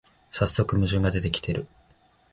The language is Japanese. さっそく矛盾が出てきてる